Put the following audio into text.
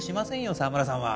澤村さんは。